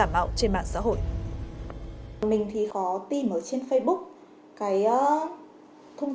khi tin vào những trang bếp giả bạo trên mạng xã hội mình thì khó tin ở trên facebook cái thông